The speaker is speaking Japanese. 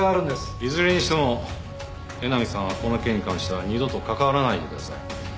いずれにしても江波さんはこの件に関しては二度と関わらないでください。